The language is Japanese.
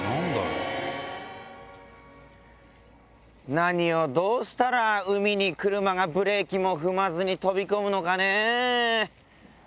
何をどうしたら海に車がブレーキも踏まずに飛び込むのかね。